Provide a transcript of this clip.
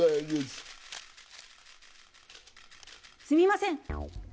すみません。